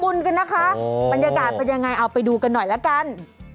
กันนะคะบรรยากาศเป็นยังไงเอาไปดูกันหน่อยละกัน